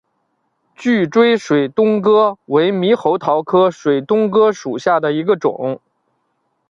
聚锥水东哥为猕猴桃科水东哥属下的一个种。